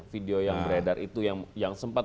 video yang beredar itu yang sempat